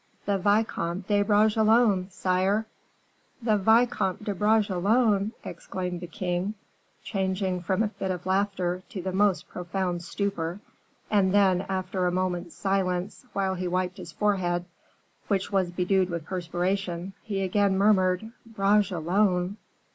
"The Vicomte de Bragelonne, sire." "'The Vicomte de Bragelonne!'" exclaimed the king; changing from a fit of laughter to the most profound stupor, and then, after a moment's silence, while he wiped his forehead, which was bedewed with perspiration, he again murmured, "Bragelonne!"